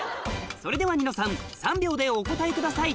それではニノさん３秒でお答えください